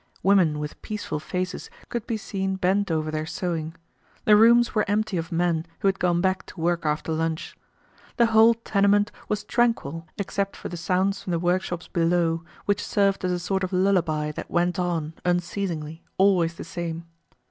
Women with peaceful faces could be seen bent over their sewing. The rooms were empty of men who had gone back to work after lunch. The whole tenement was tranquil except for the sounds from the work shops below which served as a sort of lullaby that went on, unceasingly, always the same.